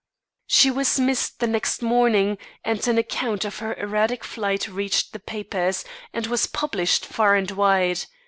She was missed the next morning, and an account of her erratic flight reached the papers, and was published far and wide.